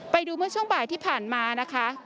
ไปดูเมื่อช่วงบ่ายที่ผ่านมานะคะ